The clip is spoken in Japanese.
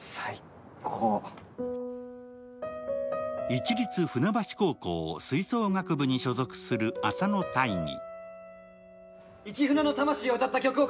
市立船橋高校吹奏楽部に所属する浅野大義。